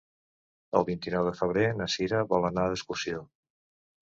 El vint-i-nou de febrer na Cira vol anar d'excursió.